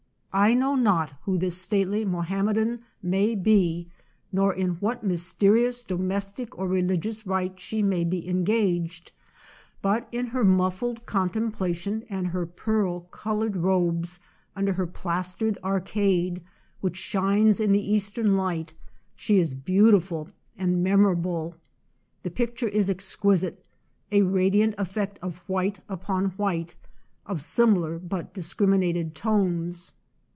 I know not who this stately Mohammedan may be, nor in what mysterious domestic or re ligious rite she may be engaged; but in her muffled contemplation and her pearl colored robes, under her plastered arcade, which shines in the Eastern light, she is beautiful and memorable. The picture is exquisite, a radiant effect of white upon white, of similar but discriminated tones.